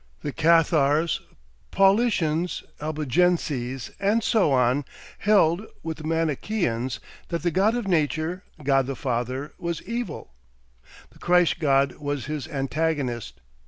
The Cathars, Paulicians, Albigenses and so on held, with the Manichaeans, that the God of Nature, God the Father, was evil. The Christ God was his antagonist.